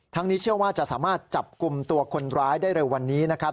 นี้เชื่อว่าจะสามารถจับกลุ่มตัวคนร้ายได้เร็ววันนี้นะครับ